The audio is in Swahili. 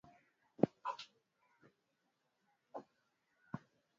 siku ya Jumanne akiitaja Marekani mshirika wa kutegemewa katika azma yetu ya